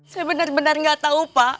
saya benar benar nggak tahu pak